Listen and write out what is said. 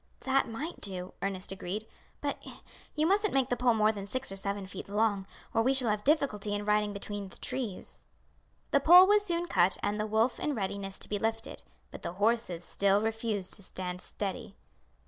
"That might do," Ernest agreed; "but you mustn't make the pole more than six or seven feet long, or we shall have difficulty in riding between the trees." The pole was soon cut and the wolf in readiness to be lifted, but the horses still refused to stand steady.